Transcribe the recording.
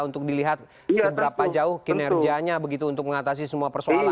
untuk dilihat seberapa jauh kinerjanya begitu untuk mengatasi semua persoalan